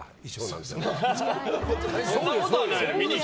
そんなことはないよ。